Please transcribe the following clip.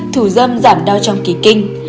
hai thủ dâm giảm đau trong kỳ kinh